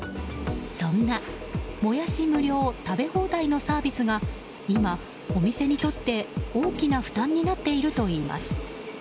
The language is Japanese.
そんなモヤシ無料食べ放題のサービスが今、お店にとって大きな負担になっているといいます。